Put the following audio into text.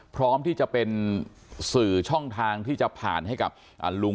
พร้อมที่จะเป็นสื่อช่องทางที่จะผ่านให้กับลุง